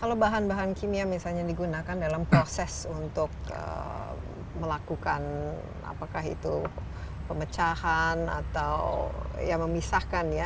kalau bahan bahan kimia misalnya digunakan dalam proses untuk melakukan apakah itu pemecahan atau ya memisahkan ya